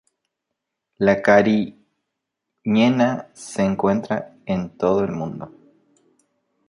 La cariñena se encuentra en todo el mundo.